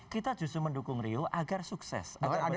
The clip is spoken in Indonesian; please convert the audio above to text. kita justru mendukung rio agar sukses